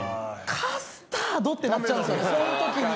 カスタード！ってなっちゃうんですよね。